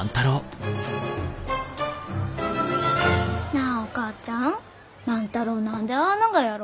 なあお母ちゃん万太郎何でああながやろ？